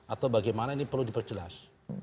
atau bagaimana ini perlu diperjelas